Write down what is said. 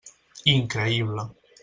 Increïble.